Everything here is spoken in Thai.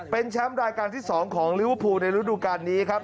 เป็นแชมป์รายการที่๒ของลิเวอร์พูลในฤดูการนี้ครับ